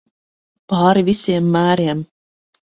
Pāri visiem mēriem.